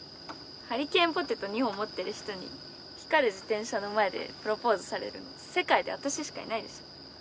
ハリケーンポテト２本持ってる人に光る自転車の前でプロポーズされるの世界で私しかいないでしょ。